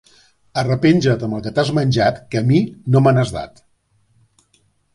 Arrepenja't amb el que t'has menjat, que, a mi, no me n'has dat.